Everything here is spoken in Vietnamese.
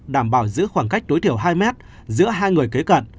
đảm bảo giữ khoảng cách tối thiểu hai mét giữa hai người kế cận